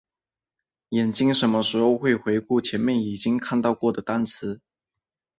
眼睛什么时候会回顾前面已经看到过的单词？